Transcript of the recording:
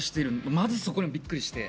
まずそこにびっくりして。